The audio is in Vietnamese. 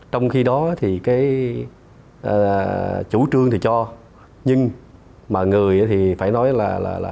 trong khi đó thì cái chủ trương thì cho nhưng mà người thì phải nói là